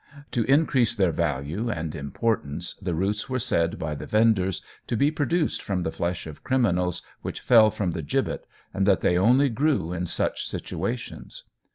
To increase their value and importance, the roots were said by the vendors to be produced from the flesh of criminals which fell from the gibbet and that they only grew in such situations.